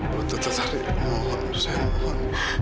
tentu saja rik mohon saya mohon